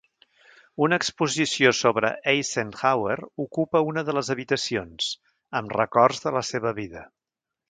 Una exposició sobre Eisenhower ocupa una de les habitacions, amb records de la seva vida.